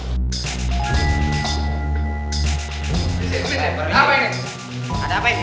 ada apa ini